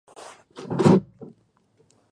No presenta ningún radar fijo.